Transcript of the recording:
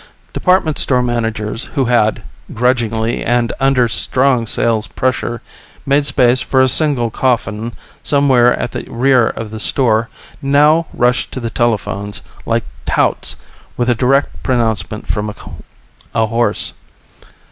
Department store managers who had, grudgingly and under strong sales pressure, made space for a single coffin somewhere at the rear of the store, now rushed to the telephones like touts with a direct pronouncement from a horse.